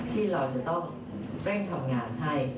ที่เราจะต้องเร่งทำงานให้